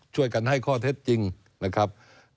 ช่วยกันให้ข้อเท็จจริงนะครับ